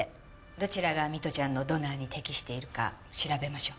どちらが美都ちゃんのドナーに適しているか調べましょう。